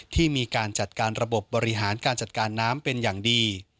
ที่มีการจัดการระบบบบริหารการจัดการน้ำเป็นอย่างดี